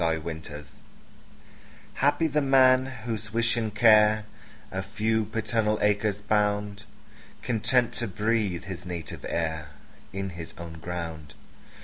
Y Z Solitude HAPPY the man, whose wish and care A few paternal acres bound, Content to breathe his native air In his own ground.